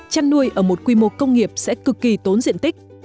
chăn nuôi ở một quy mô công nghiệp sẽ cực kỳ tốn diện tích